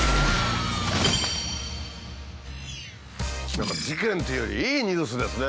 何か事件っていうよりいいニュースですね。